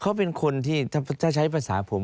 เขาเป็นคนที่ถ้าใช้ภาษาผม